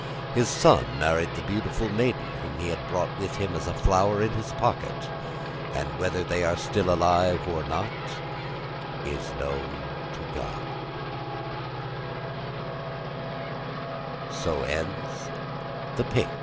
His son married the beautiful maiden whom he had brought with him as a flower in his pocket, and whether they are still alive or not, is